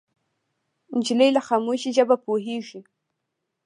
نجلۍ له خاموشۍ ژبه پوهېږي.